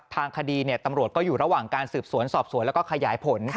ทางคดีตำรวจก็อยู่ระหว่างการสืบสวนสอบสวนแล้วก็ขยายผล